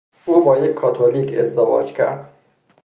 او با یک کاتولیک ازدواج کرد.